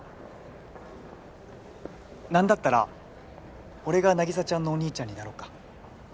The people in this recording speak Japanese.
なんだったら俺が凪沙ちゃんのお兄ちゃんになろうか？